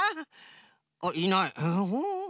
あっいない。